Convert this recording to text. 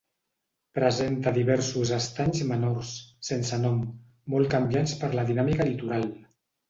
Presenta diversos estanys menors, sense nom, molt canviants per la dinàmica litoral.